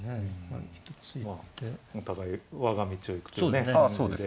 まあお互い我が道を行くという感じで。